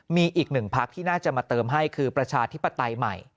มีอีกหนึ่งพักที่น่าจะมาเติมให้คือประชาธิปไตยใหม่